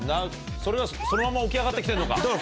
それがそのまま起き上がって来てるのか。